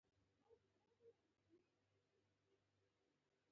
څنګه کولی شم د افغانستان لپاره دعا وکړم